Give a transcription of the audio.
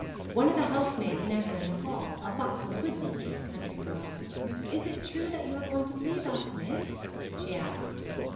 One of the housemaids met her in the hall, a buxom, good natured country girl. 'Is it true that you are going to leave us, miss?' she asked.